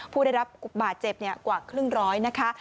ผู้ได้รับบาดเจ็บกว่าครึ่งร้อยนะคะ